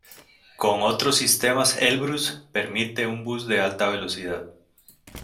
Con otros sistemas Elbrús permite un bus de alta velocidad.